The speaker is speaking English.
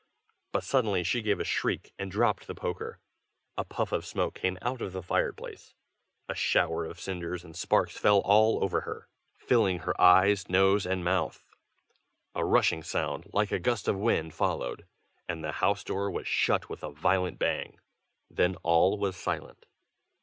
But suddenly she gave a shriek, and dropped the poker. A puff of smoke came out of the fire place. A shower of cinders and sparks fell all over her, filling her eyes and nose and mouth; a rushing sound, like a gust of wind, followed, and the house door was shut with a violent bang. Then all was silent.